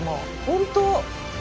本当。